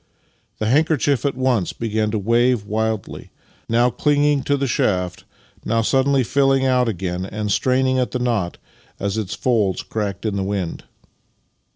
The handker chief at once began to wave wildly — now clinging to the shaft, now suddenly filling out again and straining at the knot as its folds cracked in the wind.